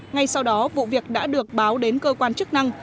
ngay sau đó vụ việc đã được báo đến cơ quan chức năng